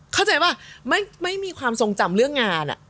เข้าใจป่ะไม่มีความทรงจำเรื่องงาน